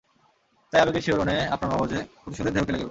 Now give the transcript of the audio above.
তাই, আবেগের শিহরণে আপনার মগজে প্রতিশোধের ঢেউ খেলে গেল!